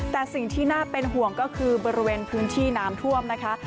แต่สิ่งที่น่าเป็นห่วงก็คือบริเวณพื้นที่น้ำท่วมนะคะ